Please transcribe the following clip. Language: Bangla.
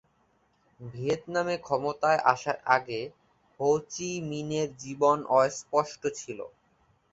ভিয়েতনামে ক্ষমতায় আসার আগে হো চি মিনের জীবন অস্পষ্ট ছিল।